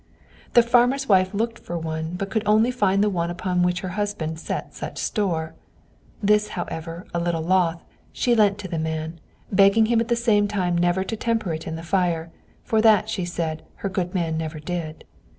The farmer's wife looked for one, but could only find the one upon which her husband set such store. This, however, a little loth, she lent to the man, begging him at the same time never to temper it in the fire; for that, she said, her good man never did.